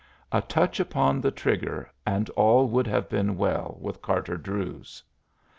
A touch upon the trigger and all would have been well with Carter Druse.